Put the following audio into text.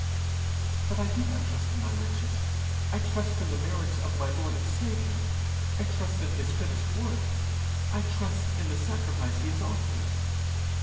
'But I do not trust in my riches; I trust in the merits of my Lord and Saviour. I trust in his finished work, I trust in the sacrifice he has offered.'